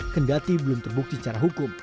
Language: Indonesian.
kendati belum terbukti secara hukum